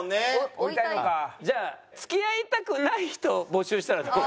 追いたい。じゃあ付き合いたくない人を募集したらどう？